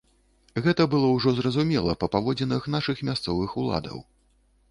Гэта было ўжо зразумела па паводзінах нашых мясцовых уладаў.